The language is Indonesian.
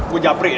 gue japrik ya